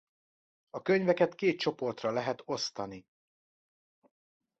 A könyveket két csoportra lehet osztani.